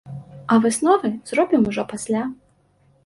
А высновы зробім ужо пасля.